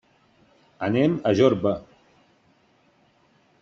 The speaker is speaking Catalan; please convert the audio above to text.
Anem a Jorba.